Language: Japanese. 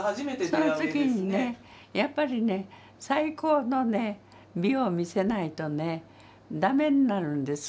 その時にねやっぱりね最高の美を見せないとね駄目になるんです